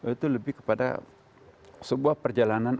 itu lebih kepada sebuah perjalanan